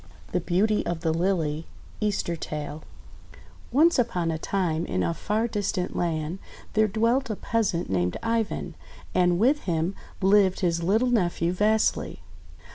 THE BEAUTY OF THE LILY Easter Tale ONCE upon a time, in a far distant land, there dwelt a peasant named Ivan, and with him lived his little nephew Vasily.